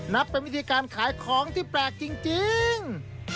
นับเป็นวิธีการขายของที่แปลกจริง